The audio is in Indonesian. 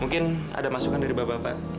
mungkin ada masukan dari bapak bapak